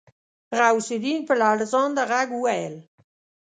غوث الدين په لړزانده غږ وويل.